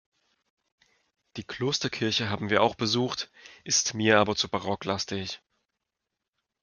Die Klosterkirche haben wir auch besucht, ist mir aber zu barocklastig.